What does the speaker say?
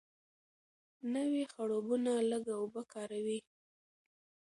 نوې خړوبونه لږه اوبه کاروي.